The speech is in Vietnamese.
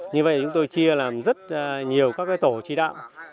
như vậy chúng tôi chia làm rất nhiều các cái tổ chỉ đạo